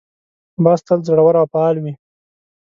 باز تل زړور او فعال وي